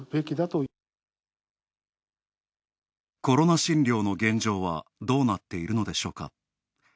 コロナ診療の現状はどうなっているのでしょうか。